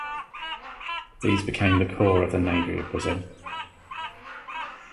These became the core of the Navy of Brazil.